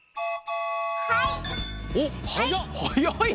はい！